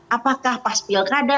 apakah pas pilkada